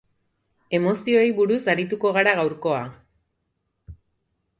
Emozioei buruz arituko gara gaurkoa.